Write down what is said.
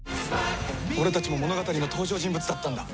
俺たちも物語の登場人物だったんだ！